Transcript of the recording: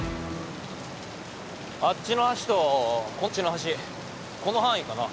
あっちの橋とこっちの橋この範囲かな。